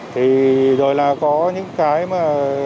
thì rồi là có những cái mà